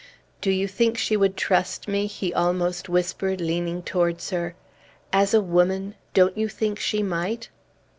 "Do you think she would trust me?" he almost whispered leaning towards her. "As a woman don't you think she might?"